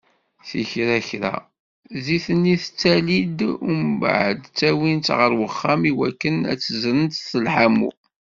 S kra kra, zzit-nni tettali-d umbeεed ttawint-tt γer uxxam i wakken ad tt-zzrent s leḥmu.